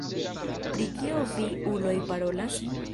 Pri kio vi uloj parolas?